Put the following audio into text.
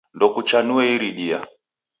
Ndokuchanue iridia.